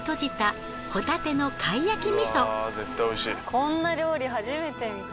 こんな料理初めて見た。